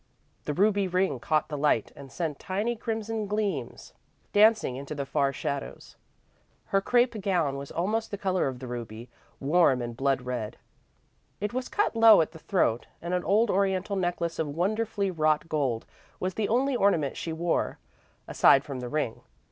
The ruby ring caught the light and sent tiny crimson gleams dancing into the far shadows. Her crepe gown was almost the colour of the ruby; warm and blood red. It was cut low at the throat, and an old Oriental necklace of wonderfully wrought gold was the only ornament she wore, aside from the ring.